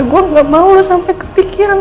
gue gak mau lo sampai kepikiran